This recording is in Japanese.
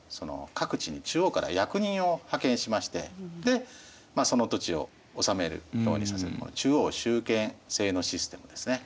各地に中央から役人を派遣しましてでその土地を治めるようにさせる中央集権制のシステムですね。